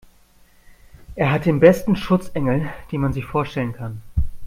Er hat den besten Schutzengel, den man sich vorstellen kann.